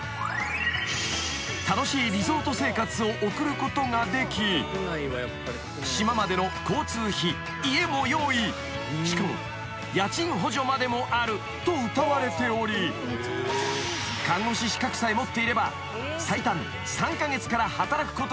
［楽しいリゾート生活を送ることができ］［島までの交通費家も用意］［しかも家賃補助までもあるとうたわれており看護師資格さえ持っていれば］